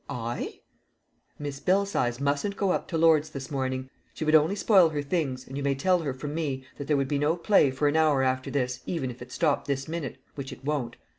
"I?" "Miss Belsize mustn't go up to Lord's this morning. She would only spoil her things, and you may tell her from me that there would be no play for an hour after this, even if it stopped this minute, which it won't.